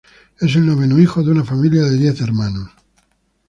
Es el noveno hijo de una familia de diez hermanos.